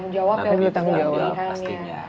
dan lebih bertanggung jawab ya